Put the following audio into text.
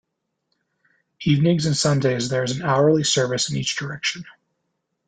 Evenings and Sundays there is an hourly service in each direction.